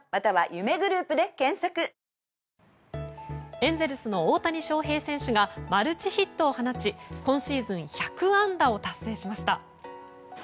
エンゼルスの大谷翔平選手がマルチヒットを放ち今シーズン１００安打を達成しました。